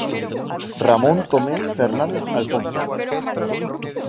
Ramón Tomé Fernández Alfonzo.